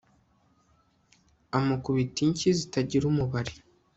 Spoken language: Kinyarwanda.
amukubita inshyi zitagira umubare